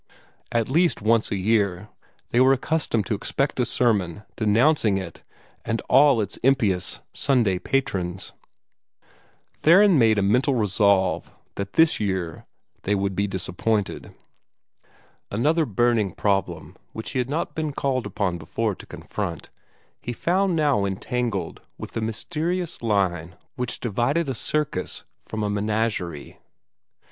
At least once a year they were accustomed to expect a sermon denouncing it and all its impious Sunday patrons. Theron made a mental resolve that this year they should be disappointed. Another burning problem, which he had not been called upon before to confront, he found now entangled with the mysterious line which divided a circus from a menagerie.